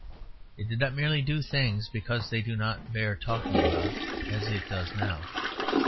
It did not merely do things because they do not bear talking about as it does now.